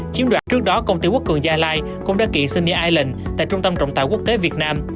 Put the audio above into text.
chiếm đoạn trước đó công ty quốc cường gia lai cũng đã kị sunny island tại trung tâm trọng tạo quốc tế việt nam